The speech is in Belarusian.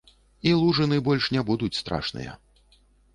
І лужыны больш не будуць страшныя.